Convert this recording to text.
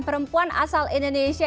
perempuan asal indonesia